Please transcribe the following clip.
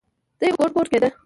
دى اوس ګوډ ګوډ کېده.